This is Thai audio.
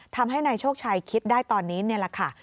ทำให้นายโชคชัยคิดได้ตอนนี้นี่แหละค่ะ